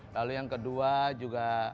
lalu yang kedua juga